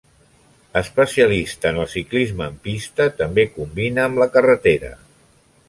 Especialista en el ciclisme en pista, també combina amb la carretera.